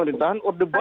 ini ada yang gampang